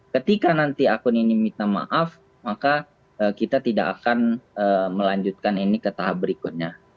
ketika nanti akun ini minta maaf maka kita tidak akan melanjutkan ini ke tahap berikutnya